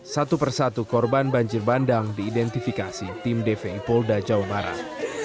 satu persatu korban banjir bandang diidentifikasi tim dvi polda jawa barat